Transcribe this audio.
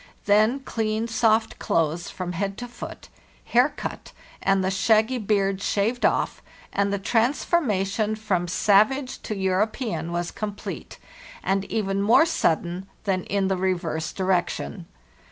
Then clean, soft clothes from head to foot, hair cut, and the shaggy beard shaved off, and the transformation from savage to European was complete, and even more sudden than in the reverse direction.